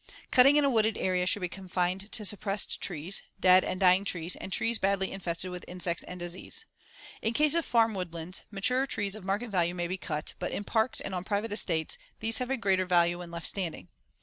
Cutting in a wooded area should be confined to suppressed trees, dead and dying trees and trees badly infested with insects and disease. In case of farm woodlands, mature trees of market value may be cut, but in parks and on private estates these have a greater value when left standing.